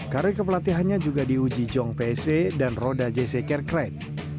karir kepelatihannya juga diuji jong psv dan roda jc kerkrein